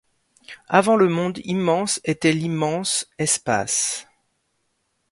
Avant le monde immense était l’immense, espace ;